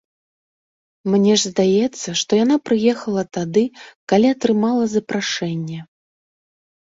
Мне ж здаецца, што яна прыехала тады, калі атрымала запрашэнне.